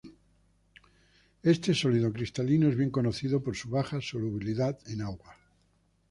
Este sólido cristalino es bien conocido por su baja solubilidad en agua.